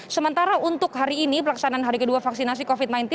sementara untuk hari ini pelaksanaan hari kedua vaksinasi covid sembilan belas